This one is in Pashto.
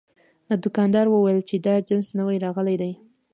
دوکاندار وویل چې دا جنس نوي راغلي دي.